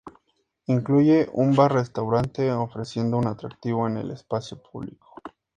Incluye un bar restaurante, ofreciendo un atractivo en el espacio público.